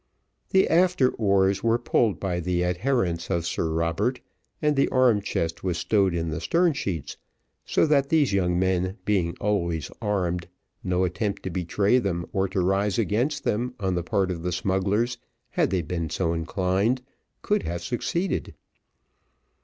The after oars were pulled by the adherents of Sir Robert, and the arm chest was stowed in the stern sheets: so that these young men being always armed, no attempt to betray them, or to rise against them, on the part of the smugglers, had they been so inclined, could have succeeded.